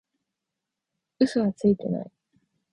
嘘はついてない